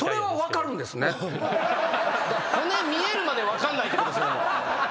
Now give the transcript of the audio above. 骨見えるまで分かんないってことっすよね。